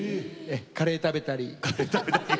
カレーを食べたり。